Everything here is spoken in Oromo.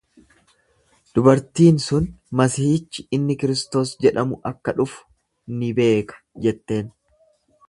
Dubartiin sun, Masiihichi inni Kristos jedhamu akka dhufu ni beeka jetteen.